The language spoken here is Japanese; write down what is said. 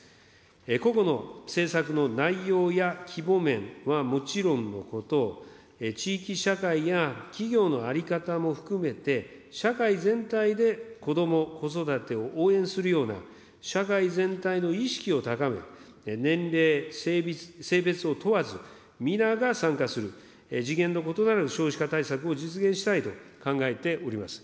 個々の政策の内容や規模面はもちろんのこと、地域社会や企業の在り方も含めて、社会全体でこども・子育てを応援するような、社会全体の意識を高め、年齢、性別を問わず、皆が参加する、次元の異なる少子化対策を実現したいと考えております。